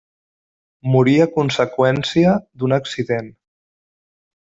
Morí a conseqüència d'un accident.